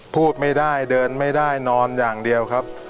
พูดไม่ได้เดินไม่ได้นอนอย่างเดียวครับ